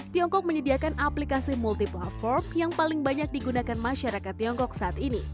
tiongkok menyediakan aplikasi multi platform yang paling banyak digunakan masyarakat tiongkok saat ini